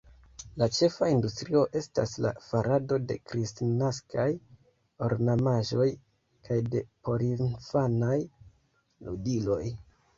La ĉefa industrio estas la farado de kristnaskaj ornamaĵoj kaj de porinfanaj ludiloj.